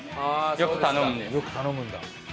よく頼むんだ。